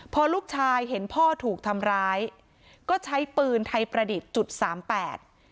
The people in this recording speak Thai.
พอลูกชายเห็นพ่อถูกทำร้ายก็ใช้ปืนไทยประดิษฐ์จุดสามแปด